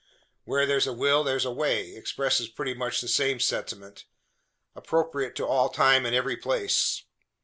"Where there's a will, there's a way," expresses pretty much the same sentiment, appropriate to all time and every place.